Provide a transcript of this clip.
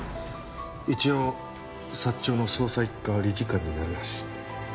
一応サッチョウの捜査一課理事官になるらしい。